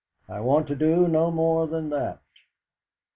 "I want to do no more than that."